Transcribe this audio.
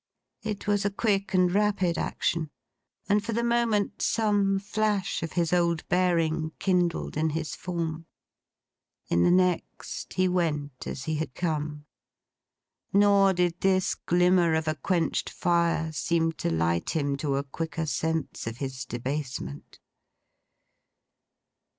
It was a quick and rapid action; and for the moment some flash of his old bearing kindled in his form. In the next he went as he had come. Nor did this glimmer of a quenched fire seem to light him to a quicker sense of his debasement.